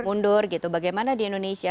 mundur gitu bagaimana di indonesia